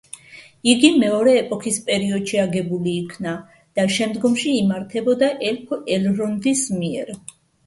იგი მეორე ეპოქის პერიოდში აგებული იქნა და შემდგომში იმართებოდა ელფ ელრონდის მიერ.